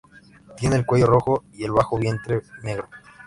Tiene el cuello rojo y el bajo vientre negro.